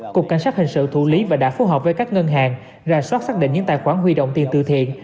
cục cảnh sát hình sự thủ lý và đã phối hợp với các ngân hàng ra soát xác định những tài khoản huy động tiền từ thiện